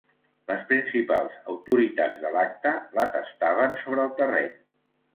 Les principals autoritats de l'acte la tastaven sobre el terreny.